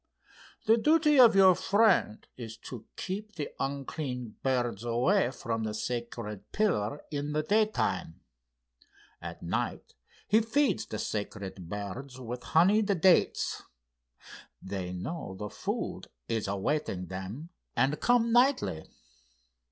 The duty of your friend is to keep the unclean birds away from the sacred pillar in the daytime. At night he feeds the sacred birds with honeyed dates. They know the food is awaiting them and come nightly."